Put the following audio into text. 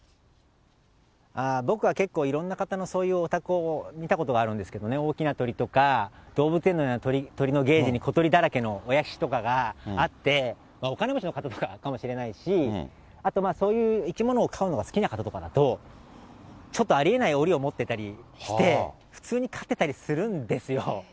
僕は結構、いろんな方のそういうお宅を見たことがあるんですけれども、大きな鳥とか、動物園のような、鳥のケージに小鳥だらけのお屋敷とかがあって、お金持ちの方かもしれないし、あとそういう生き物を飼うのが好きな方とかだと、ちょっとありえないおりを持ってたりして、普通に飼ってたりするんですよ。